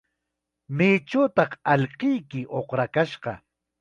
¿Maychawtaq allquyki uqrakashqa?